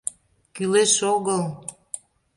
Кӱлеш огыл!